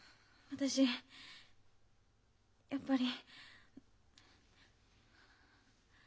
私やっぱり。